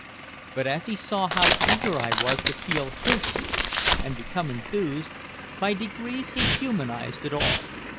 But as he saw how eager I was to feel his view and become enthused, by degrees he humanized it all.